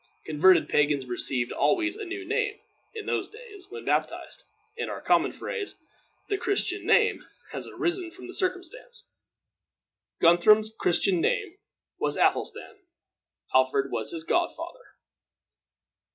Converted pagans received always a new name, in those days, when baptized; and our common phrase, the Christian name, has arisen from the circumstance. Guthrum's Christian name was Ethelstan. Alfred was his godfather.